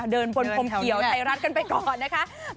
เดินบนพรมเขียวไทยรัฐกันไปก่อนนะคะ